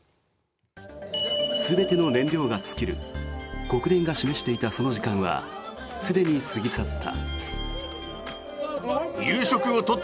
全ての燃料が尽きる国連が示していたその時間はすでに過ぎ去った。